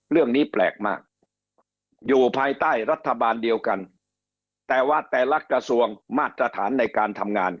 เรื่องนี้แปลกมากอยู่ภายใต้รัฐบาลเดียวกันแต่ว่าแต่ละกระทรวงมาตรฐานในการทำงาน